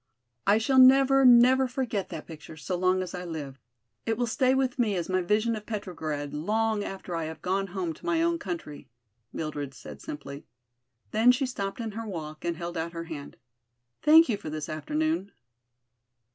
"I shall never, never forget that picture so long as I live. It will stay with me as my vision of Petrograd long after I have gone home to my own country," Mildred said simply. Then she stopped in her walk and held out her hand. "Thank you for this afternoon."